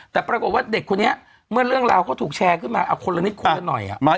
แต่ปรากฏว่าเด็กคนนี้เมื่อเรื่องราวเขาถูกแชร์ขึ้นมาเอาคนละนิดคนละหน่อย